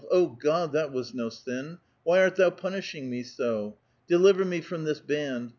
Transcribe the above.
O God, that was no sin! Why art tliou punishing me so? Deliver me from this band.